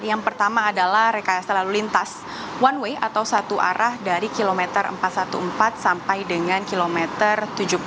yang pertama adalah rekayasa lalu lintas one way atau satu arah dari kilometer empat ratus empat belas sampai dengan kilometer tujuh puluh